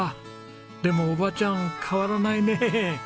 でもおばちゃん変わらないね。